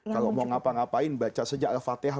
kalau mau ngapa ngapain baca saja al fatihah